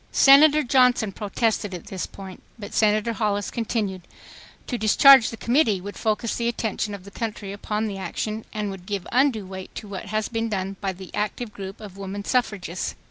Senator Johnson protested at this point, but Senator Hollis continued: "To discharge the committee would focus the attention of the country upon the action and would give undue weight to what has been done by the active group of woman suffragists."